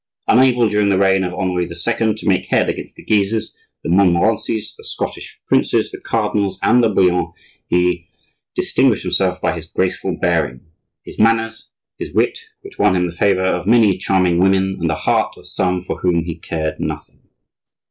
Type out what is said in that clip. Unable during the reign of Henri II. to make head against the Guises, the Montmorencys, the Scottish princes, the cardinals, and the Bouillons, he distinguished himself by his graceful bearing, his manners, his wit, which won him the favor of many charming women and the heart of some for whom he cared nothing.